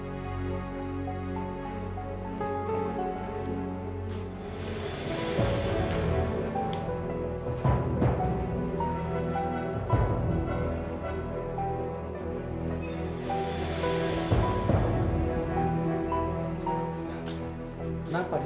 tidak ada apa apa